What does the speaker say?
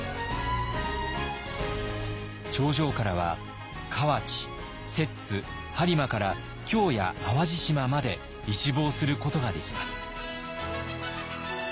頂上からは河内摂津播磨から京や淡路島まで一望することができます。